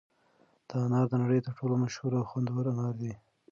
دا انار د نړۍ تر ټولو مشهور او خوندور انار دي.